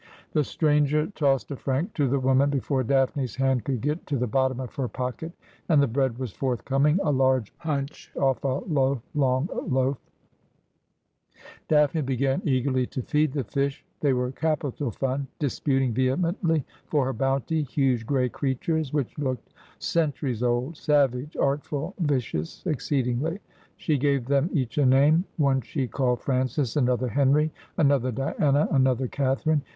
The stranger tossed a franc to the woman before Daphne's hand could get to the bottom of her pocket, and the bread was forthcoming — a large hunch off: a long lo; if. Daphne began 'And Volatile, as ay was His Usage.' 31 eagerly to feed the fish. They were capital fun, disputing vehemently for her bounty, huge gray creatures which looked centuries old — savage, artful, vicious exceedingly. She gave them each a name. One she called Francis, another Henry, another Diana, another Catherine.